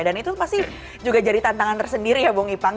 dan itu pasti juga jadi tantangan tersendiri ya bong ipang